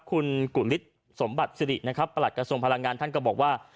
คุณกุฤษสมบัติสิรินะครับประหลัดกระทรวงพลังงานท่านก็บอกว่า